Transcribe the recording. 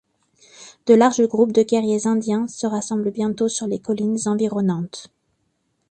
De larges groupes de guerriers indiens se rassemblent bientôt sur les collines environnantes.